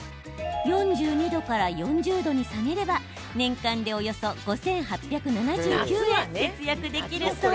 ４２度から４０度に下げれば年間でおよそ５８７９円節約できるそう。